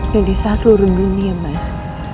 dan bisa seluruh dunia mas